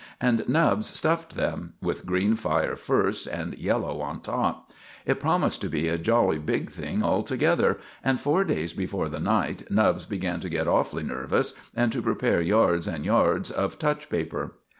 And Nubbs stuffed them with green fire first and yellow on top. It promised to be a jolly big thing altogether, and four days before the night Nubbs began to get awfully nervous, and to prepare yards and yards of touch paper.